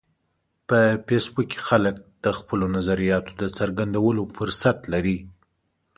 په فېسبوک کې خلک د خپلو نظریاتو د څرګندولو فرصت لري